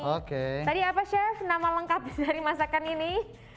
oke tadi apa chef nama lengkap dari masakan ini